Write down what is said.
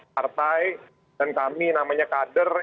partai dan kami namanya kader